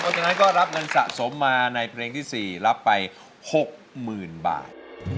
เพราะฉะนั้นก็รับเงินสะสมมาในเพลงที่๔รับไป๖๐๐๐บาท